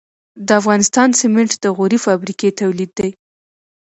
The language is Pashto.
د افغانستان سمنټ د غوري فابریکې تولید دي